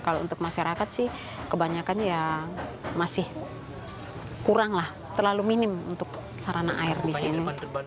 kalau untuk masyarakat sih kebanyakan ya masih kurang lah terlalu minim untuk sarana air di sini